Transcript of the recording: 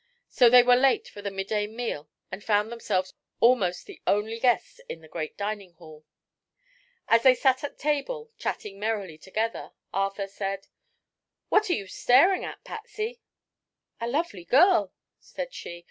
So they were late for the midday meal and found themselves almost the only guests in the great dining hall. As they sat at table, chatting merrily together, Arthur asked: "What are you staring at, Patsy?" "A lovely girl," said she.